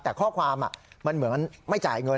แต่ข้อความมันเหมือนไม่จ่ายเงิน